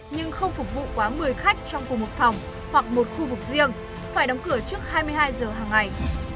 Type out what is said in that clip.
nhưng không phục vụ quá một mươi khách trong cùng một phòng hoặc một khu vực riêng phải đóng cửa trước hai mươi hai giờ hàng ngày